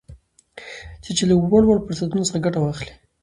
چې چې له وړ وړ فرصتونو څخه ګته واخلي